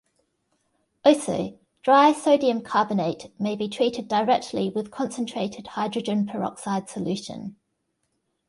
Also, dry sodium carbonate may be treated directly with concentrated hydrogen peroxide solution.